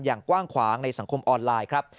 อย่างกว้างขวางในสังคมออนไลน์ครับ